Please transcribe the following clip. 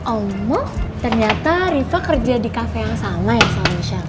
omong ternyata rifa kerja di cafe yang sama ya sama michelle